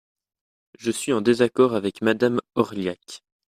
Je suis en désaccord avec Madame Orliac.